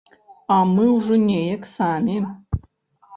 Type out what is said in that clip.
А мы ўжо неяк самі.